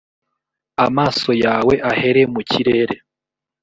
amaso yawe ahere mu kirere,